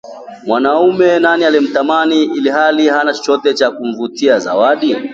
Mwanamume nani angemtamani ilhali hana chochote cha kumvutia? Zawadi